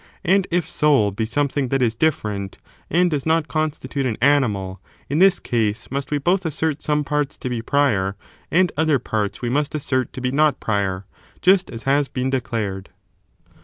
And if soul be something that is difiFerent, and does not con stitute an animal, in this case must we both assert some parts to be prior, and other parts we must assert to be not prior, just as has been declared.